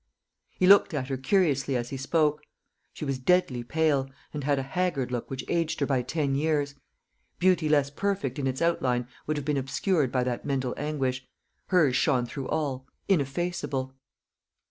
He looked at her curiously as he spoke. She was deadly pale, and had a haggard look which aged her by ten years: beauty less perfect in its outline would have been obscured by that mental anguish hers shone through all, ineffaceable.